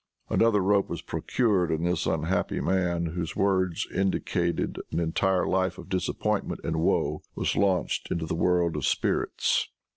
Another rope was procured, and this unhappy man, whose words indicated an entire life of disappointment and woe, was launched into the world of spirits.